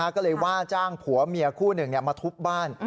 ก็เลยว่าจ้างผัวเมียคู่หนึ่งมาทุบบ้าน